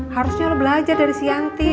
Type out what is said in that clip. harusnya lo belajar dari si yanti